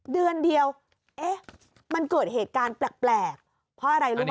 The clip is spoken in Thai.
เดือนเดียวเอ๊ะมันเกิดเหตุการณ์แปลกเพราะอะไรรู้ไหม